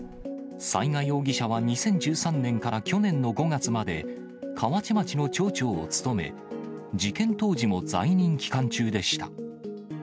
雑賀容疑者は２０１３年から去年の５月まで、河内町の町長を務め、事件当時も在任期間中でした。